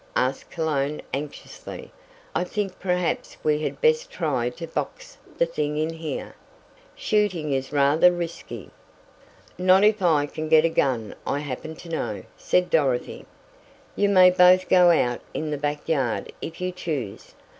asked Cologne anxiously. "I think perhaps we had best try to box the thing in here. Shooting is rather risky." "Not if I can get a gun I happen to know," said Dorothy. "You may both go out in the back yard if you choose.